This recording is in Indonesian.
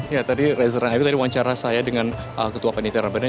ya tadi reza rangayu tadi wawancara saya dengan ketua penelitian ramadhan